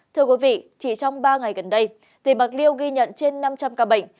thưa quý vị chỉ trong ba ngày gần đây tỉnh bạc liêu ghi nhận trên năm trăm linh ca bệnh